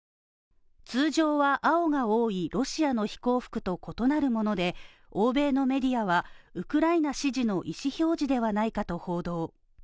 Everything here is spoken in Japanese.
通常は青が多いロシアの飛行服と異なるもので欧米のメディアは、ウクライナ支持の意思表示ではないかと報道。